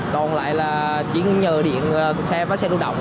còn lại là chỉ nhờ điện xe và xe lưu động